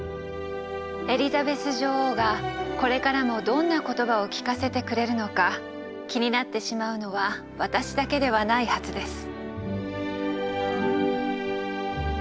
エリザベス女王がこれからもどんな言葉を聴かせてくれるのか気になってしまうのは私だけではないはずです。